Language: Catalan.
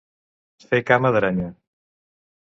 Fer cama d'aranya.